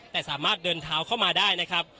แต่สามารถเดินเท้าเข้ามาได้นะครับ